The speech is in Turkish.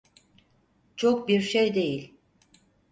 Çok bir şey değil.